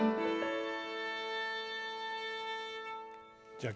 じゃあ健